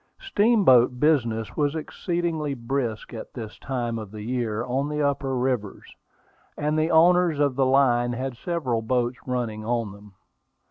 Steamboat business was exceedingly brisk at this time of the year on the upper rivers, and the owners of the line had several boats running on them.